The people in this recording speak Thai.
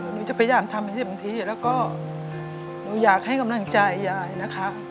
หนูจะพยายามทำให้เต็มที่แล้วก็หนูอยากให้กำลังใจยายนะคะ